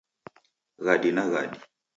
Ghadi na ghadi